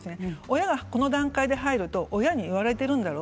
親がこの段階で入ると親に言わされてるんだろ？